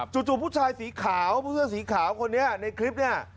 จู่ผู้ชายสีขาวผู้เสื้อสีขาวคนนี้ในคลิปเนี่ย